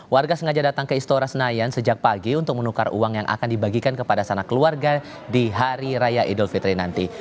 warga sengaja datang ke istora senayan sejak pagi untuk menukar uang yang akan dibagikan kepada sanak keluarga di hari raya idul fitri nanti